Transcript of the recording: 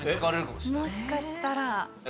もしかしたら。